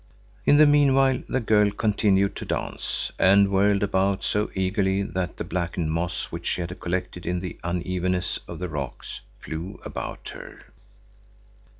In the meanwhile the girl continued to dance, and whirled about so eagerly that the blackened moss which had collected in the unevennesses of the rocks flew about her.